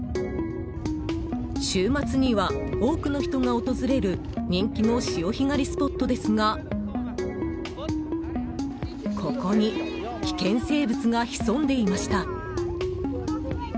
週末には多くの人が訪れる人気の潮干狩りスポットですがここに危険生物が潜んでいました。